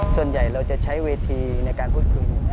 ส่วนใหญ่เราจะใช้เวทีในการพูดคุย